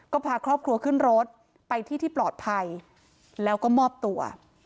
ก็พาครอบครัวขึ้นรถไปที่ที่ปลอดภัยแล้วก็มอบตัว